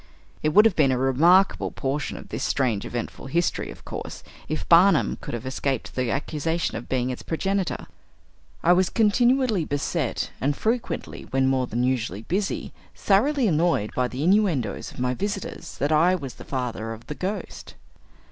It would have been a remarkable portion of "this strange, eventful history," of course, if "Barnum" could have escaped the accusation of being its progenitor. I was continually beset, and frequently, when more than usually busy, thoroughly annoyed by the innuendoes of my visitors, that I was the father of "the Ghost."